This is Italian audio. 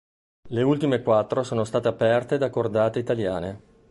Le ultime quattro sono state aperte da cordate italiane.